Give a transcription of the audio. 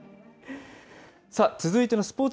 さあ続いてのスポーツ